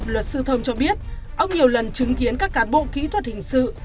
luật sư thông cho biết ông nhiều lần chứng kiến các cán bộ kỹ thuật hình sự